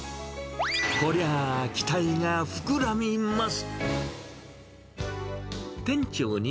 こりゃあ、期待が膨らみます。